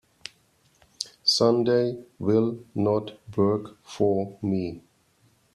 Sunday will not work for me.